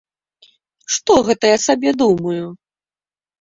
Што гэта я сабе думаю?